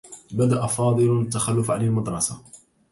بدأ فاضل التّخلّف عن المدرسة.